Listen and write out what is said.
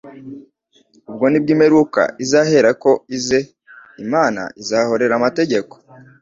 Ubwo nibwo imperuka izaherako ize. Imana izahorera amategeko